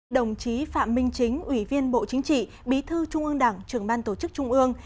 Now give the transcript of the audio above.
đồng chí phạm minh chính ủy viên bộ chính trị bí thư trung ương đảng trưởng ban tổ chức trung ương